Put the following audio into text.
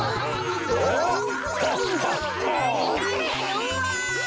うわ！